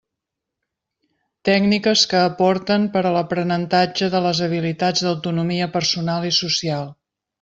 Tècniques que aporten per a l'aprenentatge de les habilitats d'autonomia personal i social.